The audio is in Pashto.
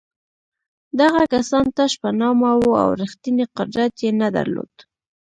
دغه کسان تش په نامه وو او رښتینی قدرت یې نه درلود.